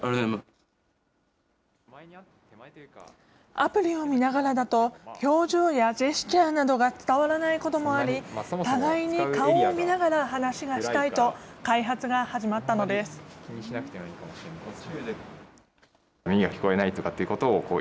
アプリを見ながらだと、表情やジェスチャーなどが伝わらないこともあり、互いに顔を見ながら話がしたいと、開発が始まったのです。